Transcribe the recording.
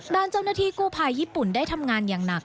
ด้านเจ้าหน้าที่กู้ภัยญี่ปุ่นได้ทำงานอย่างหนัก